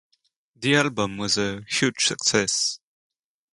The album was a huge success.